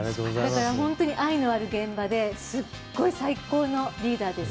本当に愛のある現場で最高のリーダーです。